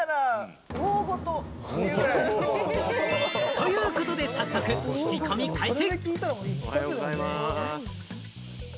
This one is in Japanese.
ということで早速、聞き込み開始。